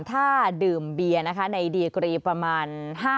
ถ้าดื่มเบียร์นะคะในดีกรีประมาณ